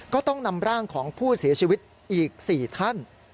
ก็ต้องนำร่างของผู้เสียชีวิตอีก๔ท่าน